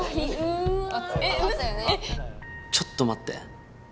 ちょっと待って。